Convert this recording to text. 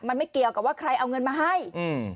มันไม่เกี่ยวกับว่าใครเอาเงินมาให้อืม